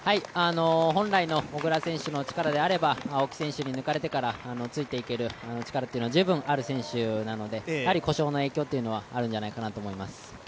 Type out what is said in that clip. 本来の小椋選手の力であれば青木選手に抜かれてからついていける力は十分ある選手なので、故障の影響はあるんじゃないかと思います。